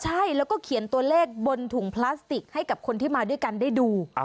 ใช่แล้วก็เขียนตัวเลขบนถุงพลาสติกให้กับคนที่มาด้วยกันได้ดู